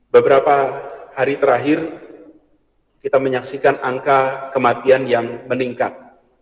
beberapa hari terakhir kita menyaksikan angka kematian yang meningkat